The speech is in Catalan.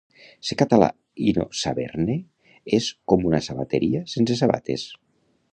Ser català i no saber-ne és com una sabateria sense sabates.